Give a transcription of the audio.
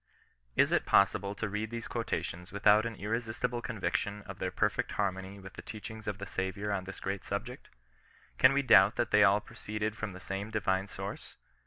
Is it possible to read these quotations without an irresistible conviction of their perfect harmony with the teachings of the Saviour on this great subject ? Can we doubt that they all proceeded from the same Divine source